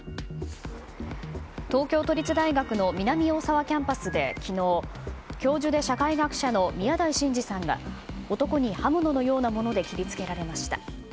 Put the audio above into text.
東京都立大学の南大沢キャンパスで昨日、教授で社会学者の宮台真司さんが男に刃物のようなもので切り付けられました。